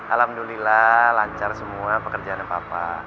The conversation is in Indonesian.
alhamdulillah lancar semua pekerjaan papa